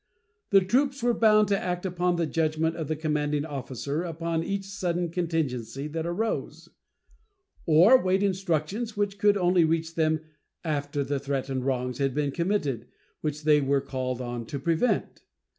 The troops were bound to act upon the judgment of the commanding officer upon each sudden contingency that arose, or wait instructions which could only reach them after the threatened wrongs had been committed which they were called on to prevent.